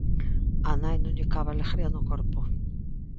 Á nai non lle cabe a alegría no corpo.